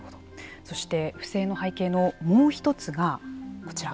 そして、不正の背景のもう一つがこちら。